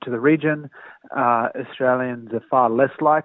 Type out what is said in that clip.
kita hanya harus memiliki satu partai politik